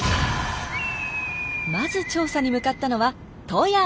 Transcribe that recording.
まず調査に向かったのは富山！